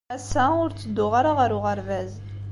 Ass-a, ur ttedduɣ ara ɣer uɣerbaz.